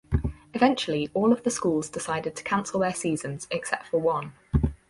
Eventually all of the schools decided to cancel their seasons except for one.